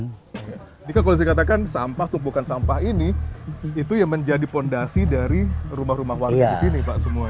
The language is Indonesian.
jadi kalau saya katakan sampah tumpukan sampah ini itu yang menjadi fondasi dari rumah rumah warga di sini pak semuanya